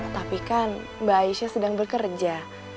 tapi kan mbak aisyah sedang bekerja